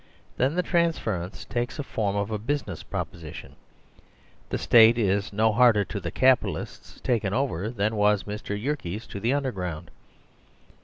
then the trans ference takes the form of a business proposition : the State is no harder to the Capitalists taken over than wasMrYerkestothe Underground.